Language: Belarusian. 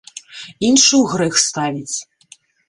Іншы ў грэх ставіць.